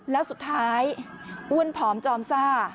แล้วสุดท้ายอ้วนผอมจอมซ่า